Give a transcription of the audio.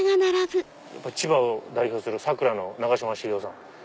千葉を代表する佐倉の長嶋茂雄さん。